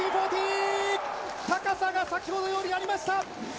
高さが先ほどよりありました。